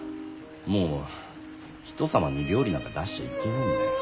もう人様に料理なんか出しちゃいけねえんだよ。